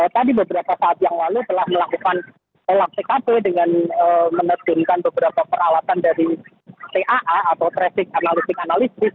tadi beberapa saat yang lalu telah melakukan pelaksanaan dengan menerjunkan beberapa peralatan dari taa atau traffic analysis analysis